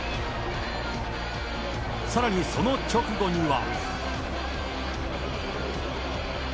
さらにその直後には。